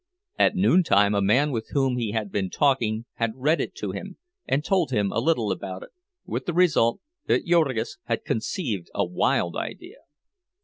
At noontime a man with whom he had been talking had read it to him and told him a little about it, with the result that Jurgis had conceived a wild idea.